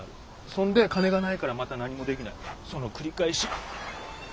そんで金がないからまた何もできなくなるその繰り返し。